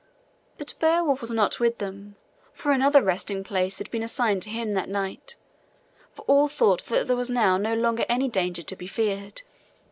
But Beowulf was not with them, for another resting place had been assigned to him that night, for all thought that there was now no longer any danger to be feared.